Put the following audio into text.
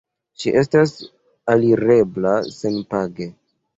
Ŝi estas alirebla senpage.